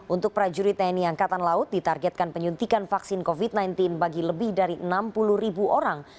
untuk prajurit tni angkatan laut ditargetkan penyuntikan vaksin covid sembilan belas bagi lebih dari enam puluh ribu orang